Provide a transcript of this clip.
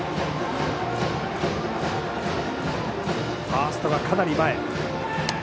ファーストはかなり前。